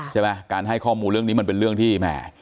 ใช่ไหมการให้ข้อมูลเรื่องนี้มันเป็นเรื่องที่แหม